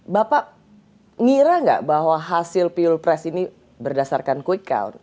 bapak ngira nggak bahwa hasil pilpres ini berdasarkan quick count